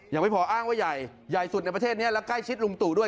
ยังไม่พออ้างว่าใหญ่ใหญ่สุดในประเทศนี้และใกล้ชิดลุงตู่ด้วย